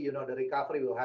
penyelamatannya akan berlaku